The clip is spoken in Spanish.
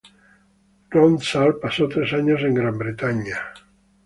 Ronsard pasó tres años en Gran Bretaña.